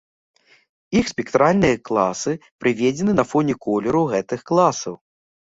Іх спектральныя класы прыведзены на фоне колеру гэтых класаў.